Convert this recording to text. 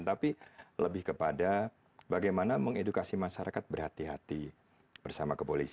tapi lebih kepada bagaimana mengedukasi masyarakat berhati hati bersama kepolisian